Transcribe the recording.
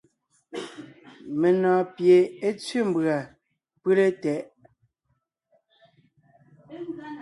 Menɔ̀ɔn pie é tsẅé mbʉ̀a pʉ́le tɛʼ.